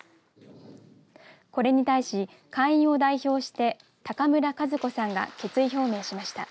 これに対し、会員を代表して高村一子さんが決意表明しました。